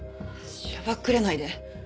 しらばっくれないで。